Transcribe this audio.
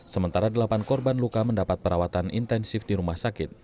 sementara delapan korban luka mendapat perawatan intensif di rumah sakit